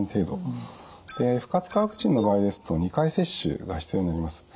不活化ワクチンの場合ですと２回接種が必要になります。